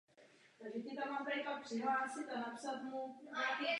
Jeho trenéry jsou Huber a Martinec.